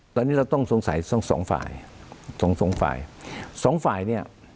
ตอนนี้เราต้องสงสัยทั้งสองฝ่ายสองสองฝ่ายสองฝ่ายเนี้ย